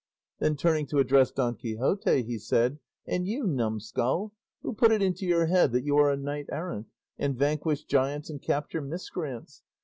Then turning to address Don Quixote he said, "And you, num skull, who put it into your head that you are a knight errant, and vanquish giants and capture miscreants?